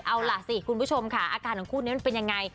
เอาล่ะสิคุณผู้ชมค่ะอาการของคู่นี้มันเป็นยังไง